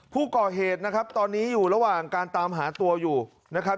ผู้ก่อเหตุนะครับตอนนี้อยู่ระหว่างการตามหาตัวอยู่นะครับ